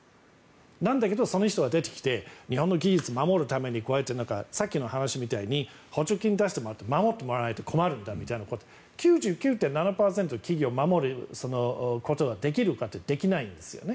なんだけど、その人が出てきて日本の技術を守るためにさっきの話みたいに補助金を出してもらって守ってもらわないと困るんだって言って９９．７％の企業を守ることができるかと言ったらできないんですよね。